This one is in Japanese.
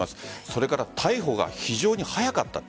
それから代表が非常に早かった。